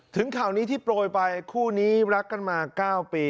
ข่าวนี้ที่โปรยไปคู่นี้รักกันมา๙ปี